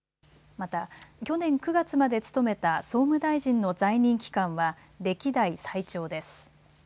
また去年９月まで務めた総務大臣の在任期間は歴代最長です。